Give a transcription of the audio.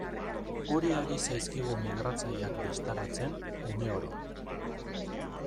Hori ari zaizkigu migratzaileak bistaratzen, uneoro.